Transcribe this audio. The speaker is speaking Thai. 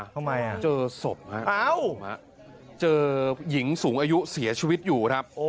ทำไมเจอศพฮะเจอหญิงสูงอายุเสียชีวิตอยู่ครับ